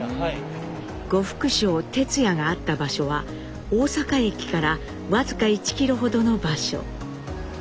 呉服商「てつや」があった場所は大阪駅から僅か１キロほどの場所。